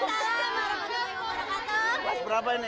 kelas berapa ini